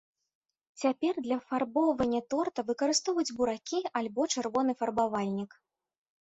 Цяпер для афарбоўвання торта выкарыстоўваюць буракі альбо чырвоны фарбавальнік.